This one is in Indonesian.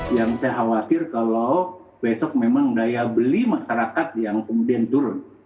yang saya khawatir kalau besok memang daya beli masyarakat yang kemudian turun